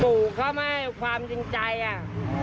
ปู่เขาไม่ให้ความจริงใจอ่ะ